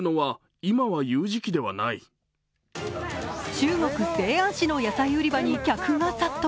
中国・西安市の野菜売り場に客が殺到。